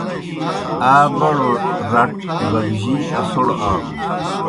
آ بڑوْ رَٹ بگجِی اسوْڑ آ لُن۔